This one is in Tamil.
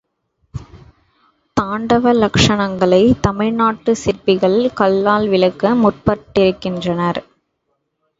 தாண்டவ லக்ஷணங்களை, தமிழ் நாட்டுச் சிற்பிகள் கல்லால் விளக்க முற்பட்டிருக்கின்றனர்.